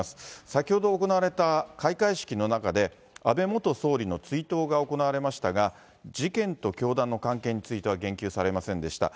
先ほど行われた開会式の中で、安倍元総理の追悼が行われましたが、事件と教団の関係については言及されませんでした。